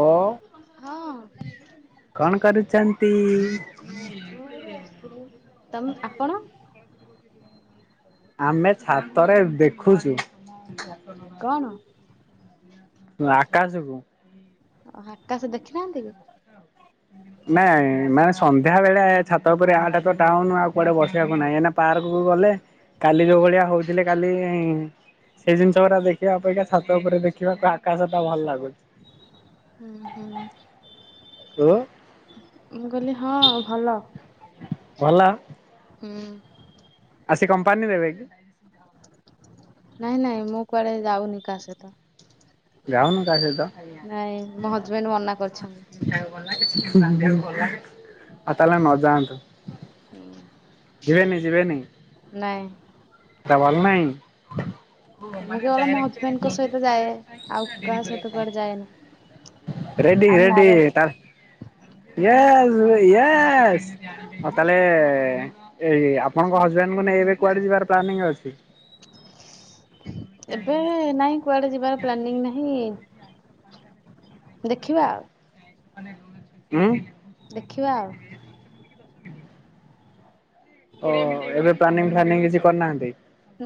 ଓ ହଁ ମୁଁ କଣ କରୁଚନ୍ତି। ମୁଁ ଏଇ ବସିଥିଲି ଏମ୍ ଆପଣ। ଆମେ ଛାତରେ ଦେଖୁଚୁ। କଣ। ଆକାଶକୁ। ଓହୋ ଆକାଶ ଦେଖି ନାହାନ୍ତି କି? ନାଇଁ ମାନେ ସନ୍ଧ୍ୟା ବେଳେ ଛାତ ଉପରେ ଆଟା ତ ଟାଉନ ଆଉ କୁଆଡେ ବସିବାକୁ ନାହିଁ ଏନା ପାର୍କକୁ ଗଲେ। କାଲିକ ଯୋଉଭଳିଆ ହଉ ଥିଲେ କାଲି ସେଇ ଜିନିଷ ଗୁରା ଦେଖିବା ଅପେକ୍ଷା ଛାତ ଉପରେ ଦେଖିବାକୁ ଆକାଶ ଟା ଭଲ ଲାଗୁଛି। ହୁଁ ହୁଁ। ଓ ମୁଁ କହିଲି ହଁ ଭଲ। ଭଲ। ହୁଁ। ଆସି କମ୍ପାନୀ ନେବେ କି। ନାଇଁ ନାଇଁ ମୁଁ କୁଆଡେ ଯାଉନି କାହା ସହିତ। ଯାଉନୁ କା ସହିତ। ନାଇଁ ମୋ ହଜବେଣ୍ଡ ମନାକରିଛନ୍ତି। ଆଉ ତାହେଲେ ନଯାଆନ୍ତୁ। ନାଇଁ। ହେଟା ଭଲ ନାଇଁ। [inaudible] ମୁଁ କେବଳ ମୋ ହଜବେଣ୍ଡଙ୍କ ସହିତ ଯାଏ ଆଉ କାହା ସହିତ କୁଆଡେ ଯାଏନି। ରେଡ୍ଡି ଆମ ରେଡ୍ଡି ମ୍ୟାରେଡ ତାର ୟେସ୍ ୟେସ୍ ଆଉ ତାହେଲେଏ-ଏ-ଏ ଏଇ ଆପଣଙ୍କ ହଜବ୍ୟାଣ୍ଡଙ୍କୁ ନେଇ ଏବେ କୁଆଡେ ଯିବାର ପ୍ଲାନିଂ ଅଛି? ଏବେ ନାଇଁ କୁଆଡେ ଯିବାର ପ୍ଲାନିଙ୍ଗ୍ ନାହିଁ ଦେଖିବା ଆଉ କେ ଦେଖିବା ଆଉ। ଓ ଏବେ ପ୍ଲାନିଂ ଫ୍ଲାନିଂ କିଛି କରିନାହାନ୍ତି?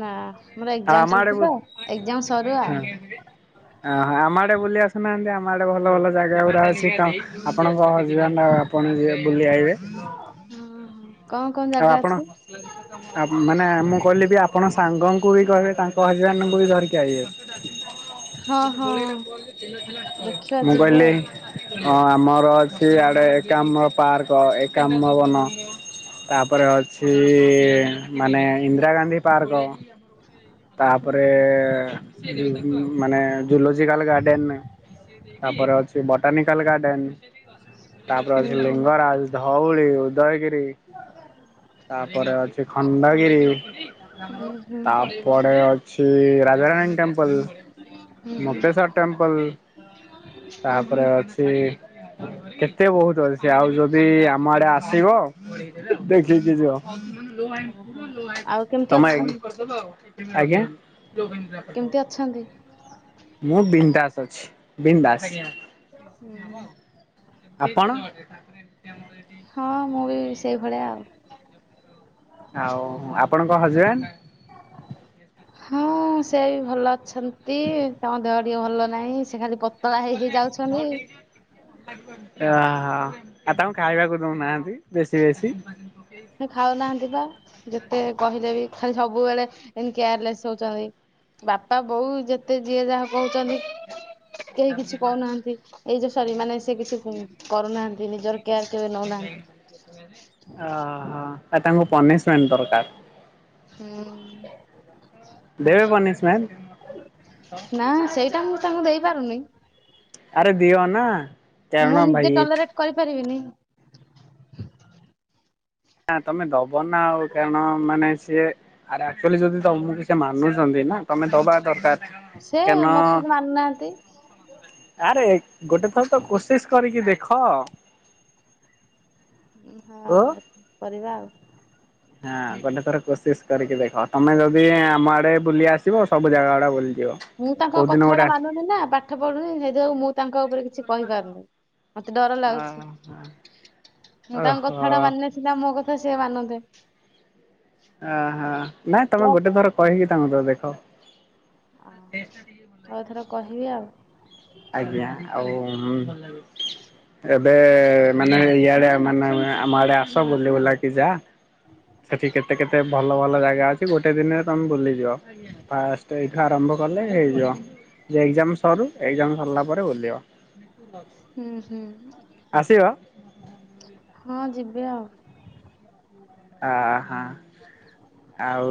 ନା ମୋର ଆଉ ଏକ୍ଜାମ ଆମ ଆଡେ ଚାଲିଛି ତ କୋଉ‌ ଏକ୍ଜାମ ସରୁ ଆଉ। ହଁ ହଅ-ଅ ଆମ ଆଡେ [inaudible] ବୁଲି ଆସୁନାହାନ୍ତି ଆମ ଆଡେ ଭଲ ଭଲ ଜାଗାଗୁରା ଅଛି ତ ଆପଣଙ୍କ ହଜବେଣ୍ଡ୍ ଆଉ ଆପ୍ ଆପଣ ଯେବେ ବୁଲି ଆଇବେ। କଣ କଣ ଆଉ ଜାଗା ଆପଣ, ଅଛି? ଆଉ ମାନେ ମୁଁ କହିଲି କି ଆପ୍ ଆପଣ ସାଙ୍ଗଙ୍କୁ ବି କହିବେ ତାଙ୍କ ହଜବ୍ୟାଣ୍ଡଙ୍କୁ ବି ଧରିକି ଆଇବେ। ହଁ ହଁ ଦେଖିବା ମୁଁ ଯିବୁ କହିଲି ଆଉ ହଁ ଆମର ଅଛି ଆଡେ ଏକାମ୍ର ପାର୍କ ଏକାମ୍ର ବନ। ଗୋଟେ ଅଛିଇ-ଇ-ଇ-ଇ ମାନେ ଇନ୍ଦିରା ଗାନ୍ଧୀ ପାର୍କ। ତାପରେଏ-ଏ-ଏ ମାନେ ଜୁଲୋଜିକାଲ ଗାର୍ଡେନ। ତାପରେ ଅଛି ବଟାନିକାଲ ଗାର୍ଡେନ, ତାପରେ ହୁଁ ଅଛି ହୁଁ ଲିଙ୍ଗରାଜ, ଧଉଳି। ଉଦୟଗିରି ତାପରେ ଅଛି ଖଣ୍ଡଗିରି। ଉଁ ହୁଁ ତାପରେ ଅଛି ରାଜାରାଣୀ ଟେମ୍ପ୍ ମ୍ପଲ୍ ମୁକ୍ତେଶ୍ୱର୍ ଟେମ୍ପଲ୍ ଉଁ ତାପରେ ହୁଁ ଅଛି କେତେ ବହୁତ ଅଛି ଆଉ ଯଦି ଆମ ଆଡେ ଆ ଆସିବ, ଦେଖିକି ଯିବ। ଆଉ କେମିତି ତମେ ଅଛନ୍ତି [inaudible] ଆଜ୍ଞା ମୁଁ କେମିତି ଅଛନ୍ତି? ଦେ ବିନ୍ଦାସ ଅଛି ବିନ୍ଦାସ। ଆପଣ? ହଁ ମୁଁ ବି ସେଇଭଳିଆ ଆଉ। ଆଉ ଆପଣଙ୍କ ହଜବ୍ୟାଣ୍ଡ୍? ହଁ ସେ ବି ଭଲ ଅଛନ୍ତି, ତାଙ୍କ ଦେହ ଟିକେ ଭଲ ନାହିଁ ସେ ଖାଲି ପତ୍ ପତଳା ହେଇ-ହେଇ ଯାଉଛନ୍ତି। ହଁ, ଆଉ ତାଙ୍କୁ ଖାଇବାକୁ ଦଉନାହାନ୍ତି ବେଶୀ ବେଶୀ। ସେ ଖାଉନାହାନ୍ତି ପା ଯେ ଯେତେ କହିଲେ ବି ଖାଲି ସବୁବେଳେ ଏମିତି କେୟାରଲେସ୍ ହଉଛନ୍ତି। ବାପା ବୋଉ ଯେତେ ଯିଏ ଯାହା କହୁଛନ୍ତି। କେହି କିଛି କହୁନାହାନ୍ତି ଏଇ ଯେ ସରି ମାନେ ସେ କିଛି କରୁନାହାନ୍ତି ନିଜର କେୟାର କେବେ ନଉନାହାନ୍ତି। ଓହୋଃ ଆ ତାଙ୍କୁ ପନିଶମେଣ୍ଟ୍ ଦରକାର। ହୁଁ ଦେବେ ପନିଶମେଣ୍ଟ୍? ନା ସେଇଟା ମୁଁ ତାଙ୍କୁ ଦେଇପାରୁନି, ଆରେ ଦିଅ ନା। କାରଣ ମୁଁ ଭାଇ ନିଜେ ଟଲରେଟ୍ କରିପାରିବିନି। ନା ତମେ ଦବ ନା ଆଉ କାରଣ ମାନେ ସିଏ ଆକ୍ଚୁଆଲି ଯଦି ତମକୁ ସେ ମାନୁଛନ୍ତି। ନା, ତମେ ଦବା ଦରକାର। ସେ କାରଣ ମତେ ମାନୁନାହାନ୍ତି। ଆରେ ଗୋଟେ ଥର ତ କୋଶିଶ୍ କରିକି ଦେଖ। ଓ। ହଁଅ-ଅ-ଅ କରିବା ଆଉ। ହଁ ଗୋଟେ ଥର କୋଶିଶ୍ କରିକି ଦେଖ, ତମେ ଯଦି ଆମ ଆଡେ ବୁଲି ଆସିବ ସବୁ ଜାଗାଗୁଡା ବୁଲି ମୁଁ ତାଙ୍କ କଥାଗୁଡା ମାନୁନି ନା ପାଠ ପଢୁନି ସେଥିପାଇଁ ମୁଁ ତାଙ୍କ ଉପରେ କିଛି କହିପାରୁନି। ମତେ ଡର ଅ ଲାଗୁଛି, ମୁଁ ଓହୋ ତାଙ୍କ କଥାଟା ମାନିଲେ ସିନା ମୋ କ କଥା ସେ ମାନନ୍ତେ। ଅ ହଁ। ନାଇଁ ତମେ ଆଉ ଗୋଟେ ଥର କହିକି ତାଙ୍କୁ ତ ଦେଖ। ଓହୋ। ଯଉ ଏଥର କହିବି ଆଉ। ଆଜ୍ଞା। ଆଉ ଏବେ ମାନେ ଇଆଡେ ମାନେ ଆମ ଆଡେ ଆସ ବୁଲି ବୁଲାକି ଯା। ସେଠି କେତେ କେତେ ଭଲ ଭଲ ଜାଗା ଅଛି ଗୋଟେ ଦିନରେ ତମେ ବୁଲିଯିବ। ଫାଷ୍ଟ ଏଇଠୁ ଆରମ୍ଭ କଲେ ହେଇଯିବ। ଯେ ଏକ୍ଜାମ ସରୁ ଏକ୍ଜାମ ସରିଲା ପରେ ବୁଲିବ। ହୁଁ ହୁଁ ଆସିବ? [unintelligible] ଅ ହ। ଆଉ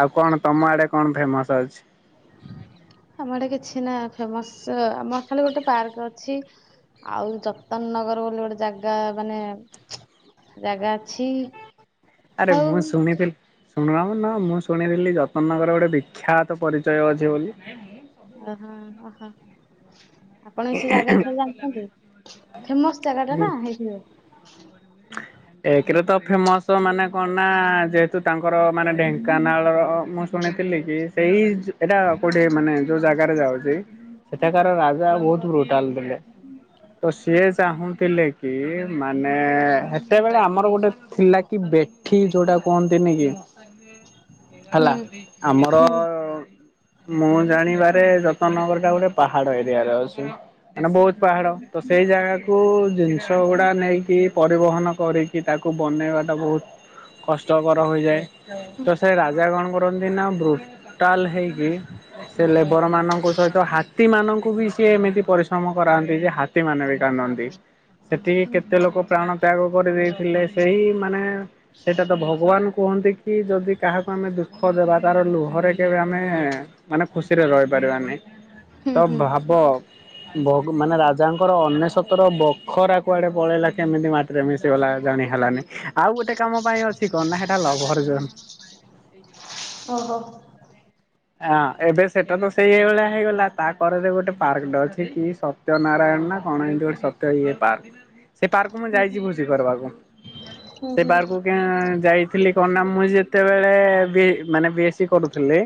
ଆଉ କଣ ତମ ଆଡେ କଣ ଫେମସ ଅଛି? ଆଜ୍ଞା। ସିନା ଫେମସ୍ ଆମର ଖାଲି ଗୋଟେ ପାର୍କ ଅଛି। ଆଉ ଯତନ ନଗର ବୋଲି ଗୋଟେ ଜାଗା ମାନେ ଜାଗା ଅଛି। ଆରେ ମୁଁ ଆଉ ଶୁଣିଥିଲି ଶୁଣ ନା ମୁଁ ଶୁଣିଥିଲି ଯତନ ନଗର ଗୋଟେ ବିଖ୍ୟାତ ପରିଚୟ ଅଛି ବୋଲି। ଓ ହୋ ଓ ହୋ। ଆପଣ ବି ସେ ଜାଗା ବିଷୟରେ ଜାଣିଛନ୍ତି। ଫେମସ ଜାଗା ଟା ହୁଁ। ନା ହେଇଥିପାଇଁ। ଏକରେ ତ ଫେମସ ମାନେ କଣ ନା ଯେହେତୁ ତାଙ୍କ ଙ୍କର ମାନେ ଢେଙ୍କାନାଳ ମୁଁ ଶୁଣିଥିଲି କି ସେଇ ଏଇଟା କୋଉଠି ମାନେ ଯୋଉ ଜା ଯାଉଚି। ସେଠାକାର ରାଜା ବହୁତ ବ୍ରୁଟାଲ ଥିଲେ। ତ ସିଏ ଚାହୁଁଥିଲେ କି ମାନେ ସେତେବେଳେ ଆମର ଗୋଟେ ଥିଲା କି ବେଠି ଯୋଉଟା କୁହନ୍ତିନି କି ହୁଁ ହେଲା। ଆମର ହୁଁ ମୁଁ ଜାଣିବାରେ ଯତନ ନଗର ଟା ଗୋଟେ ପାହାଡ ଏରିଆରେ ଅଛି। ମାନେ ବହୁତ ପାହାଡ। ତ ସେଇ ଜାଗାକୁ ଜିନିଷ ଗୁଡା ନେଇକି ପରିବହନ କରିକି ତାକୁ ବନେଇବାଟା ବହୁତ କଷ୍ଟକର ହୋଇଯାଏ। ହୁଁ ତ ସେ ରାଜା କଣ କରନ୍ତି ନା [unintelligible] ହେଇକି ସେ ଲେବର ମାନଙ୍କ ସହିତ ହା ହାତୀ ମାନଙ୍କୁ ବି ସିଏ ଏମିତି ପରିଶ୍ରମ କରାନ୍ତି ଯେ ହାତୀ ମାନେ ବି କାନ୍ଦନ୍ତି। ସେଠି ହୁଁ କେତେ ଲୋକ ପ୍ରାଣ ତ୍ୟାଗ କରିଦେଇଥିଲେ, ସେହି ମାନେ ସେଇଟା ତ ଭଗବାନ କୁହନ୍ତି କି ଯଦି କାହାକୁ ଆମେ ଦୁଃଖ ଦେବା ତାର ଲୁହରେ କେବେ ଆମେ ମାନେ ଖୁସିରେ ରହିପାରିବାନି। ହୁଁ ତ ହୁଁ ଭାବ ଭଗ ମାନେ ଯାହାଙ୍କର ଅନେଶତର ବଖରା କୁଆଡ଼େ ପଳେଇଲା କେମିତି ମାଟିରେ ମିଶିଗଲା ଜାଣି ହେଲାନି। ଆଉ ଗୋଟେ କାମ ପାଇଁ ଅଛି କଣ ନା ସେଟା ଲଭର ଜୋନ୍। ଓହୋ। ହଁ ଏବେ ସେଟା ତ ସେଇ ଏଇ ଭଳିଆ ହେଇଗଲା। ତା କରରେ ଗୋଟେ ପାର୍କଟା ଅଛି କି ସତ୍ୟ ନାରାୟଣ [unintelligible] ସତ୍ୟ ଇଏ ପାର୍କ। ସେ ପାର୍କକୁ ମୁଁ ଯାଇଛି ଭୋଜି କରିବାକୁ। ହୁଁ ସେ ହୁଁ ପାର୍କକୁ ଯାଇଥିଲି କଣ ନା ମୁଁ ଯେତେବେଳେ ବି ମାନେ ବିଏସି କରୁଥିଲି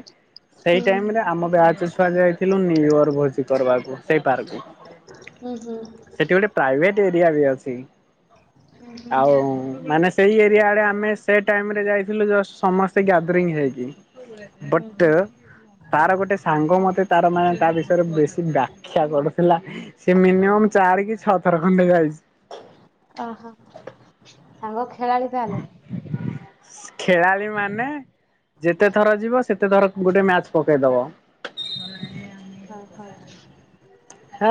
ସେଇ ହୁଁ ଟାଇମ ରେ ଆମ ବ୍ୟାଚ ଛୁଆ ଯାଇଥିଲୁ ନ୍ୟୁୟର୍ ଭୋଜି କରିବାକୁ ସେଇ ପାର୍କ କୁ। [inaudible] ସେଠି ଗୋଟେ ପ୍ରାଇଭେଟ ଏ [unintelligible] ଅଛି। ଆଉ ମାନେ ସେଇ ଏରି ସିଆଡେ ଆମେ ସେ ଟାଇମ ରେ ଯାଇଥିଲୁ ଜଷ୍ଟ୍ ସମସ୍ତେ ଗ୍ୟାଦରିଂ ହେଇକି। ହୁଁ ବଟ୍ [inaudible] ତାର ଗୋଟେ ସାଙ୍ଗ ମତେ ତାର ମାନେ ତା ବିଷୟରେ ବେଶୀ ବ୍ୟାଖ୍ୟା କରୁଥିଲା। ସେ ମିନିମମ୍ ଚା ରି କି ଛ ଥର ଖଣ୍ଡେ ଯାଇଚି। ଓହୋ ସାଙ୍ଗ ଖେଳାଳି ତାହେଲେ। ଖେଳାଳି ମାନେ? ଯେତେ ଥର ଯିବ ସେତେ ଥର ଗୋଟେ ମ୍ୟାଚ ପକେଇଦବ। ହଁ ହଁ। ହଁ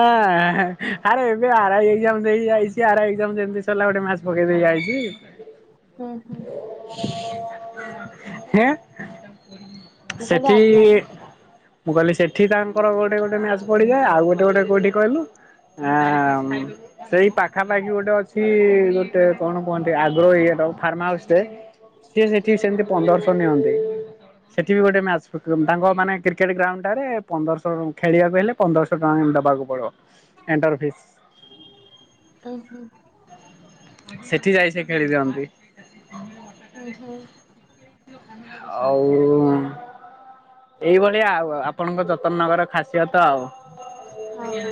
ଆରେ ଏବେ ଆର ଆଇ ଏଜାମ ଦେଇ ଯାଇଛି। ଆର ଯେମିତି ସରିଲା। ଗୋଟେ ମ୍ୟାଚ ପକେଇ ଦେଇ ଠିଆ ହେଇଛି। ହୁଁ ହୁଁ। ହେଁ ମୁଁ କହିଲି ସେଠି ଆଜ୍ଞା ମୁଁ କହିଲି ସେଠି ତାଙ୍କର ଗୋଟେ ଗୋଟେ ମ୍ୟାଚ ପଡିଯାଏ। ଆଉ ଗୋଟ ଗୋଟେ କୋଉଠି କହିଲୁ? ଆ ସେଇ ପାଖାପାଖି ଗୋଟେ ଅଛି। ଗୋଟେ କଣ କୁହନ୍ତି ଆଗ୍ରହ ଇଏ ଫାର୍ମ ହାଉସ୍ ଟେ ସିଏ ସେଠି ସେମିତି ପନ୍ଦରଶହ ନିଅନ୍ତି। ସେଠି ବି ଗୋଟେ ମ୍ୟାଚ ତାଙ୍କ ମାନେ କ୍ରିକେଟ ଗ୍ରାଉଣ୍ଡ ଟାରେ ପନ୍ଦରଶହ ଖେଳିବାକୁ ହେଲେ ପନ୍ଦରଶହ ଟଙ୍କା ଦବ। ବାକୁ ପଡ ଏଣ୍ଟର ଫିସ୍। ଉଁ ହୁଁ ସେଠି ଯାଇ ସେ ଖେଳି ଦିଅନ୍ତି। ହୁଁ ହୁଁ। ଆଉ ଏଇଭଳିଆ ଆଉ ଆପଣଙ୍କ ଯତ୍ନ ନବାର ଖାସିୟତ ଆଉ। [inaudible] ଓହୋ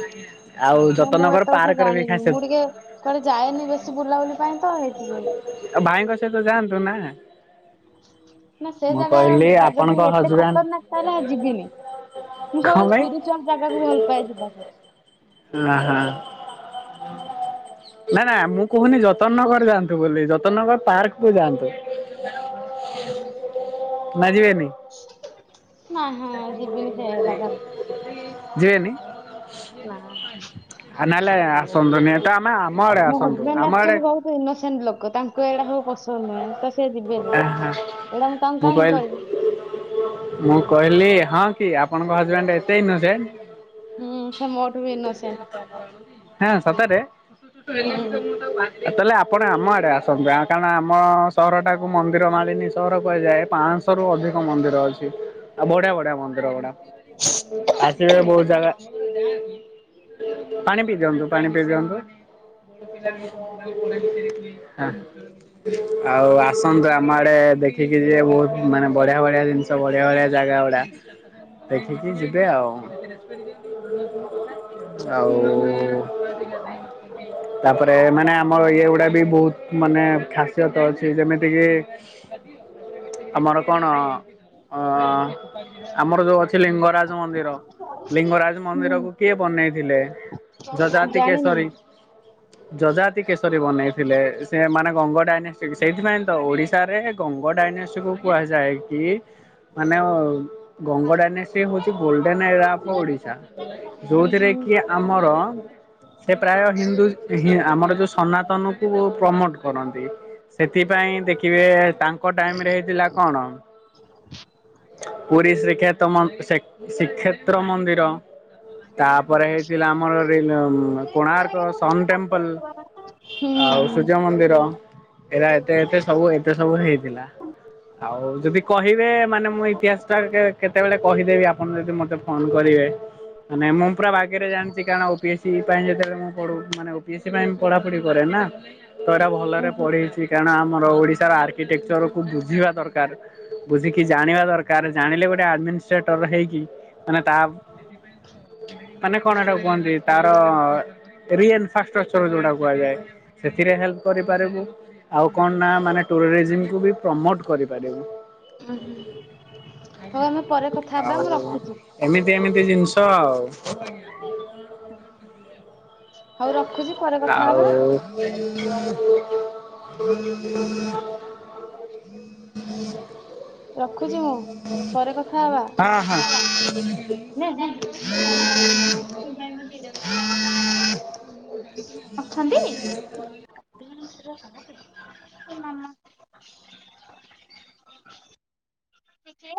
ଆଉ ନାଇଁ ମୁଁ ଯତନଗର ଏତେ କଥା ପାର୍କର ବି ଜାଣିନି। ଖାସିୟତ ମୁଁ ଟିକେ କୁଆଡେ ଯାଏନି ବେଶୀ ବୁଲାବୁଲି ପାଇଁ। ତ ହେଇଠି ଯୋଉ ଭାଇଙ୍କ ସହିତ ଯାଆନ୍ତୁ ନା। ନା ସେ ମୁଁ ଜାଗା କହିଲି ଯଦି ଆପଣଙ୍କ ଏତେ ହଜବେଣ୍ଡ ଖତରନାକ ତାହେଲେ ଯିବିନି। ମୁଁ କଣ ସବୁବେଳେ ପାଇଁ ସ୍ପିରିଚୁଆଲ ଜାଗାକୁ ଭଲ ପାଏ ଯିବାକୁ। ଅ ହା ନା ନା ମୁଁ କହୁନି ଯ ଯାଆନ୍ତୁ ବୁଲି ଯତନଗର ପାର୍କ କୁ ଯାଆନ୍ତୁ। ହୁଁ ହୁଁ। ନା ଯିବେନି ନାହା ଯିବିନି ସେ ଜାଗାକୁ। ଯିବେନି ନା ନହେଲେ ଅସନ୍ତୁନି। ଆମେ ଆମ ଆଡେ ମୋ ଆସନ୍ତୁ। ହଜବେଣ୍ଡ ଆମ ଆଡେ ଆକ୍ଚୁଆଲି ବହୁତ ଇନୋସେଣ୍ଟ ତାଙ୍କୁ ଏଇଟା ସବୁ ପସନ୍ଦ ନୁହେଁ। ତ ସେ ଯିବେନି ଏଇଟା ତାଙ୍କୁ ମୁଁ କାହିଁକି କହିଲି କହିବି ମୁଁ କହିଲି। ହଁ କି ଆପଣଙ୍କ ହଜବେଣ୍ଡ୍ ଏତେ ଇନୋସେଣ୍ଟ୍। ହୁଁ ସେ ମୋଠୁ ବି ଇନୋସେଣ୍ଟ ହଁ। ସତରେ। ହୁଁ ତାହାଲେ ଆପ୍ ଆପଣ ଆମ ଆଡେ ଆସନ୍ତୁ। କାରଣ ଆମ ସହରଟା ମନ୍ଦିର ମାଳିନୀ ସହର କୁହାଯାଏ। ପାଞ୍ଚଶହ ରୁ ଅଧିକ ମନ୍ଦିର ଅଛି। ଆଉ ବଢିଆ ବଢିଆ ମନ୍ଦିର ଗୁଡା। ଆସିବେ ବହୁତ ଜାଗା। [inaudible] ପାଣି ପିଇ ଦିଅନ୍ତୁ ପାଣି ପିଇ ଦିଅନ୍ତୁ। ହଁ ଆଉ ଆ ସଂଗ୍ରାମ ଆଡେ ଦେଖିକି ଯିବେ ବହୁତ ମାନେ ବଢିଆ ବଢିଆ ଜିନିଷ। ବଢିଆ ବଢିଆ। ଜାଗା ଗୁଡା ଦେଖିକି ଯିବେ ଆଉ। ଆଉ ହୁଁ ହୁଁ ତାପରେ ମାନେ ଆମର ଇଏ ଗୁଡା ବି ବହୁତ ମାନେ ଖାସ୍ୟତ ଅଛି। ଯେମିତି କିି ଆମର କଣ? ଅ ଆମର ଯୋଉ ଅଛି ଲିଙ୍ଗରାଜ ମନ୍ଦିର। ଲିଙ୍ଗରାଜ ମନ୍ଦିରକୁ ହୁଁ କିଏ ବନେଇଥିଲେ? ଯଜାତି ଜାଣିନି କେଶରୀ। ନା ଯଜାତି କେଶରୀ ବନେଇଥିଲେ। ସେ ମାନେ ଗଙ୍ଗ ଡାଇନାଷ୍ଟ୍ରିକ ସେଇଥିପାଇଁ ତ ଓଡିଶାରେ ଗଙ୍ଗ ଡାଇନେଷ୍ଟୀ କୁ କୁହାଯାଏ କି ମାନେ ଗଙ୍ଗ ଡାଇନେଷ୍ଟି ହଉଛି ଗୋଲ୍ଡେନ୍ ଏରା ଓଫ ଓଡିଶା। ହୁଁ ଯୋଉଥିରେ ହୁଁ କି ଆମର ସେ ପ୍ରାୟ ହିନ୍ଦୁ ଆମର ଯୋଉ ସନାତନକୁ ପ୍ରମୋଟ କରନ୍ତି। ସେଥି ପାଇଁ ଦେଖିବେ ତାଙ୍କ ଟାଇମ୍ ରେ ହେଇଥିଲା କଣ? ପୁରୀ ଶ୍ରୀକ୍ଷେତ ଶ୍ରୀକ୍ଷେତ୍ର ମନ୍ଦିର। ତାପରେ ହେଇଥିଲା ଆମର ରି କୋଣାର୍କ ସନ ଟେମ୍ପଲ୍। ହୁଁ ଆଉ ହୁଁ ସୂର୍ଯ୍ୟ ମନ୍ଦିର ଏରା ଏତେ ଏତେ ସବୁ ଏତେ ସବୁ ହେଇଥିଲା। ଆଉ ଯଦି କହିବେ ମାନେ ମୁଁ ଇତିହାସ ଟା କେ କେତେବେଳେ କହିଦେବି ଆପଣ ଯଦି ମତେ ଫୋନ କରିବେ, ମାନେ ମୁଁ ପୁରା ବାଗରେ ଜାଣିଛି କାରଣ ଓପି ଏସ୍ ସି ପାଇଁ ଯେତେବେଳେ ମୁଁ ପଢ଼ୁ ମାନେ ସି ପାଇଁ ପଢାପଢି କରେ ନା ତ ଏରା ଉଁ ଭଲରେ ହୁଁ ପଢେଇଚି। କାରଣ ଆମର ଓଡିଶାର ଆର୍କିଟେକ୍ଚର କୁ ବୁଝିବା ଦରକାର ବୁଝିକି ଜାଣିବା ଦର କାର, ଜାଣିଲେ ଗୋଟେ ଆଡମିନଷ୍ଟ୍ରେଟର ହେଇକି ମାନେ ତା ମାନେ କଣ ହେଟା କୁହନ୍ତି ତାର ରିଏନ୍ଫାଷ୍ଟଶ୍ଚର୍ ଯୋଉଟା କୁହାଯାଏ, ସେଥିରେ ହେଲ୍ପ କରିପାରିବୁ। ଆଉ କଣ ନା ମାନେ ଟୁରିରିଜମ କୁ ବି ପ୍ରମୋଟ କରିପାରିବୁ। ଉଁ ହୁଁ ହଉ ଆମେ ପରେ କଥା ହବା ଆଉ ମୁଁ ରଖୁଛି ଏମିତି ଏମିତି ଜିନିଷ ତ ଆଉ। ହୁଁ ହୁଁ। ଆଉ। [inaudible] [inaudible] ରଖୁଛି ମୁଁ ପରେ ହଁ ହଁ। [inaudible] ନାଇ ନାଇ। [unintelligible] [inaudible] ହେ ମାମା। ପିଚ୍ଛେ ଆ